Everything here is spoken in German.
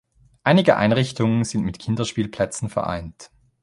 Einige Einrichtungen sind mit Kinderspielplätzen vereint.